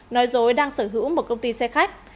nói dối đang sở hữu một công ty xe khách